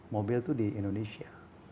mobil itu di indonesia